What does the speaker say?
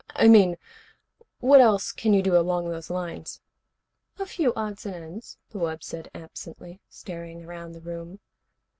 I mean, what else can you do along those lines?" "A few odds and ends," the wub said absently, staring around the room.